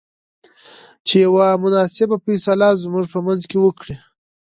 چې يوه مناسبه فيصله زموږ په منځ کې وکړۍ.